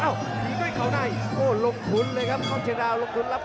หนีไม่ออกนะครับ